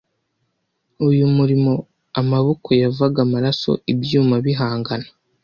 uyu murimo amaboko yavaga amaraso ibyuma bihangana